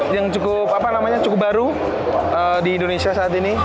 yang cukup apa namanya cukup baru di indonesia saat ini